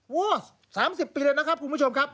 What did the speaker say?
โอ้โห๓๐ปีเลยนะครับคุณผู้ชมครับ